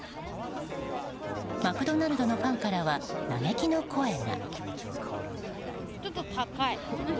マクドナルドのファンからは嘆きの声が。